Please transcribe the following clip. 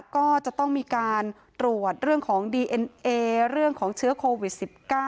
ก็จะต้องมีการตรวจเรื่องของดีเอ็นเอเรื่องของเชื้อโควิด๑๙